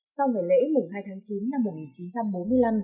sau ngày lễ mùng hai tháng chín năm một nghìn chín trăm bốn mươi năm